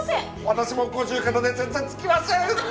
私も五十肩で全然つきません